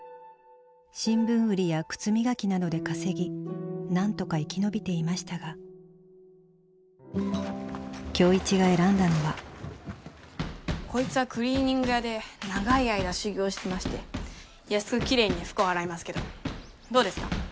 新聞売りや靴磨きなどで稼ぎなんとか生き延びていましたが今日一が選んだのはこいつはクリーニング屋で長い間修業してまして安くきれいに服を洗いますけどどうですか？